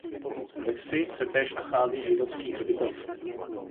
Ve vsi se též nachází židovský hřbitov.